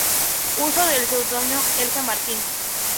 Usó el seudónimo Elsa Martín.